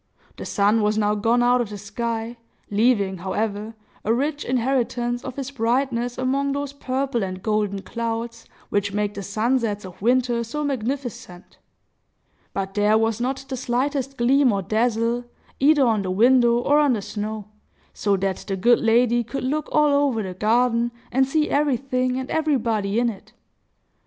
The sun was now gone out of the sky, leaving, however, a rich inheritance of his brightness among those purple and golden clouds which make the sunsets of winter so magnificent. But there was not the slightest gleam or dazzle, either on the window or on the snow; so that the good lady could look all over the garden, and see everything and everybody in it.